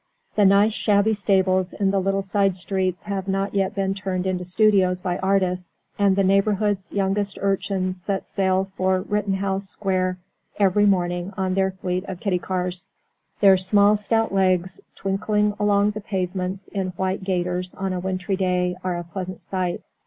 The nice shabby stables in the little side streets have not yet been turned into studios by artists, and the neighbourhood's youngest urchins set sail for Rittenhouse Square every morning on their fleet of "kiddie cars." Their small stout legs, twinkling along the pavements in white gaiters on a wintry day, are a pleasant sight.